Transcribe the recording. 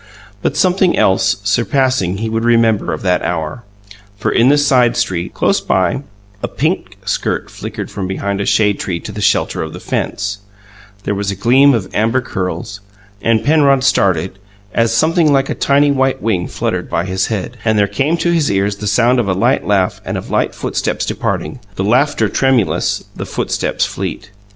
But something else, surpassing, he would remember of that hour, for, in the side street, close by, a pink skirt flickered from behind a shade tree to the shelter of the fence, there was a gleam of amber curls, and Penrod started, as something like a tiny white wing fluttered by his head, and there came to his ears the sound of a light laugh and of light footsteps departing, the laughter tremulous, the footsteps fleet.